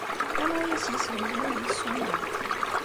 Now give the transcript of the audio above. Anwa ay as-yeslemden ad yessuneɣ?